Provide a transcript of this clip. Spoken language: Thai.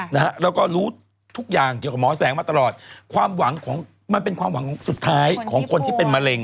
แล้วก็รู้ทุกอย่างเกี่ยวกับหมอแสงมาตลอดมันเป็นความหวังสุดท้ายของคนที่เป็นมะเร็ง